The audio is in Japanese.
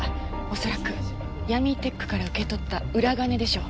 恐らくヤミーテックから受け取った裏金でしょう。